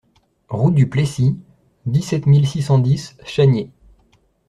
Route du Plessis, dix-sept mille six cent dix Chaniers